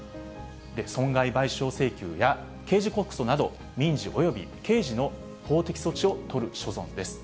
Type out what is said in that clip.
損害賠償請求や、刑事告訴など、民事および刑事の法的措置を取る所存です。